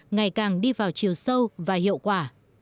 ngày càng đi vào chiều sâu và hiệu quả